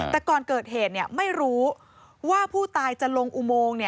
แต่ก่อนเกิดเหตุไม่รู้ว่าผู้ตายจะลงอุโมง